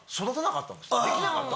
できなかった。